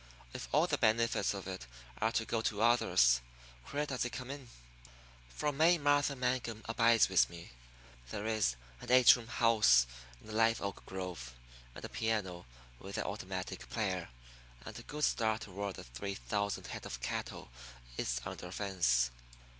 If all the benefits of it are to go to others, where does it come in? For May Martha Mangum abides with me. There is an eight room house in a live oak grove, and a piano with an automatic player, and a good start toward the three thousand head of cattle is under fence.